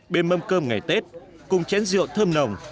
bên mâm cơm ngày tết cùng chén rượu thơm nồng